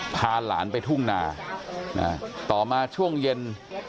พาหลานไปทุ่งนาต่อมาช่วงเย็น